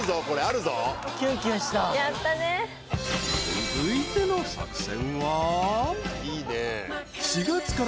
［続いての作戦は］